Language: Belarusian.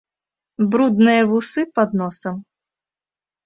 Брудныя вусы пад носам.